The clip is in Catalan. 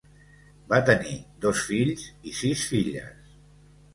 Van tenir dos fills i sis filles.